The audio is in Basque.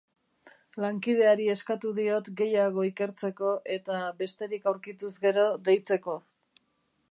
Lankideari eskatu diot gehiago ikertzeko eta, besterik aurkituz gero, deitzeko.